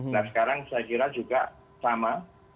nah sekarang saya kira juga sama